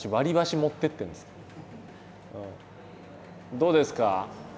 どうですか？